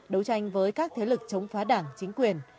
đấu tranh với các thế lực chống phá đảng chính quyền